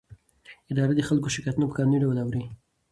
اداره د خلکو شکایتونه په قانوني ډول اوري.